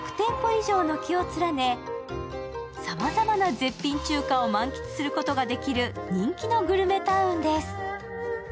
以上軒を連ね、さまざまな絶品中華を満喫することができる人気のグルメタウンです。